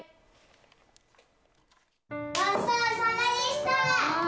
ごちそうさまでした！